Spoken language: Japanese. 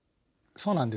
そうなんです。